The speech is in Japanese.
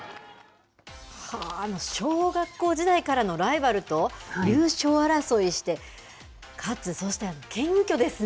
小学校時代からのライバルと優勝争いして勝つ、そして謙虚ですね。